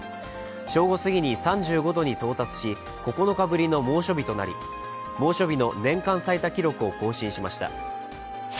正午過ぎに３５度に到達し、９日ぶりの猛暑日となり猛暑日の年間最多記録を更新しました。